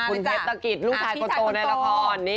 คุณเพชรตะกิจลูกชายคนโตในละคร